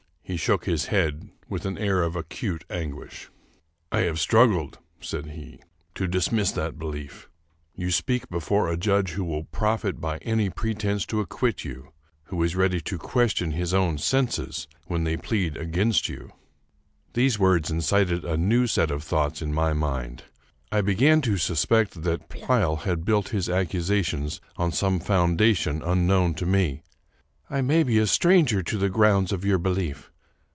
" He shook his head with an air of acute anguish. " I have struggled," said he, " to dismiss that belief. You speak be 277 American Mystery Stories fore a judge who will profit by any pretense to acquit you ; who is ready to question his own senses when they plead against you." These words incited a new set of thoughts in my mind. I began to suspect that Pleyel had built his accusations on some foundation unknown to me. '' 1 may be a stranger to the grounds of your belief.